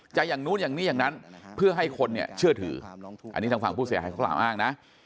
อย่างนู้นอย่างนี้อย่างนั้นเพื่อให้คนเนี่ยเชื่อถืออันนี้ทางฝั่งผู้เสียหายเขากล่าวอ้างนะ